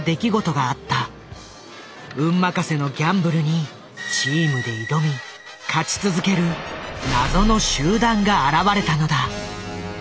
運任せのギャンブルにチームで挑み勝ち続ける謎の集団が現れたのだ。